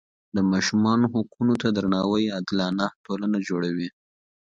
د ماشوم حقونو ته درناوی عادلانه ټولنه جوړوي.